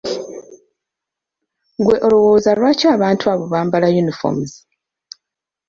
Ggwe olowooza lwaki abantu abo bambala uniforms?